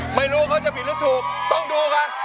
ไม่รู้เขาจะผิดหรือถูกต้องดูกัน